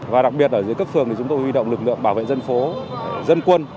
và đặc biệt ở dưới cấp phường thì chúng tôi huy động lực lượng bảo vệ dân phố dân quân